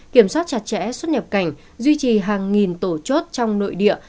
kiểm soát chặt chẽ xuất nhập cảnh duy trì hàng nghìn tổ chốt trong nội địa